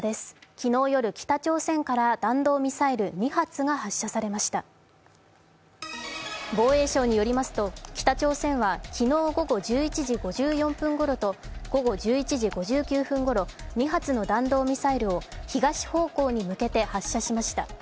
昨日夜、北朝鮮から弾道ミサイル２発が発射されました防衛省によりますと、北朝鮮は昨日午後１１時５４分ごろと午後１１時５９分ごろ、２発の弾道ミサイルを東方向に向けて発射しました。